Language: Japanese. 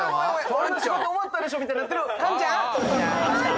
俺の仕事終わったでしょみたいになってるカンちゃん？